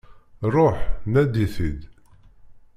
Ruḥ nadi-t-id!